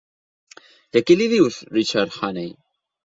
I a qui li dius Richard Hannay?